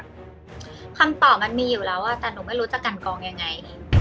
คำตอบมันมีอยู่แล้วแต่หนูไม่รู้จะกันกองยังไง